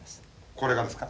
これがですか？